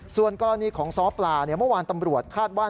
ส่วนกรณีของซ้อปลาเมื่อวานตำรวจคาดว่า